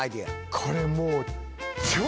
これもう。